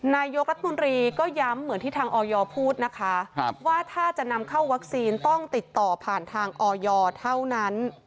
นายกรัฐมนตรีก็ย้ำเหมือนที่ทางออยพูดนะคะว่าถ้าจะนำเข้าวัคซีนต้องติดต่อผ่านทางออยเท่านั้น